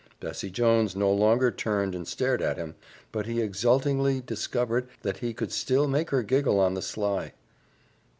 Bessie Jones no longer turned and stared at him, but he exultingly discovered that he could still make her giggle on the sly.